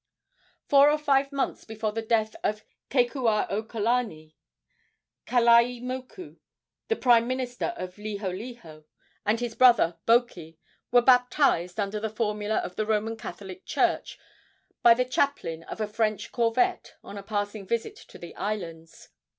Four or five months before the death of Kekuaokalani, Kalaimoku, the prime minister of Liholiho, and his brother Boki, were baptized under the formula of the Roman Catholic Church by the chaplain of a French corvette on a passing visit to the islands.